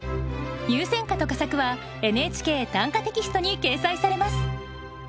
入選歌と佳作は「ＮＨＫ短歌」テキストに掲載されます。